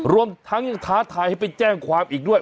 รวมทั้งยังท้าทายให้ไปแจ้งความอีกด้วย